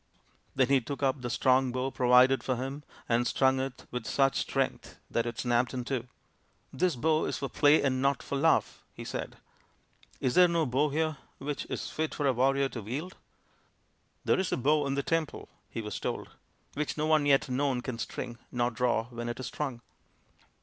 Then he took up the strong bow provided for him and strung it with such strength that it snapped in two. " This bow is for play and not for love/' he said. " Is there no bow here which is fit for a warrior to wield ?"" There is a bow in the temple," he was told, " which no one yet known can string, nor draw when it is strung."